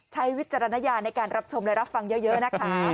วิจารณญาณในการรับชมและรับฟังเยอะนะคะ